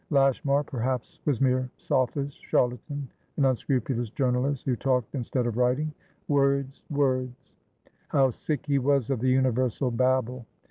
Lashmar, perhaps, was mere sophist, charlatan, an unscrupulous journalist who talked instead of writing. Words, words! How sick he was of the universal babble!